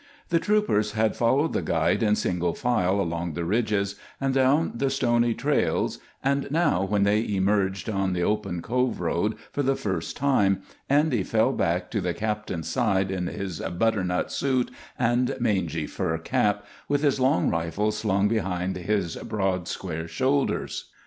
The troopers had followed the guide in single file along the ridges and down the stony trails, and now, when they emerged on the open Cove road for the first time, Andy fell back to the captain's side, in his butternut suit and mangy fur cap, with his long rifle slung behind his broad, square shoulders.